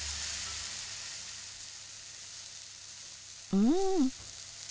うん。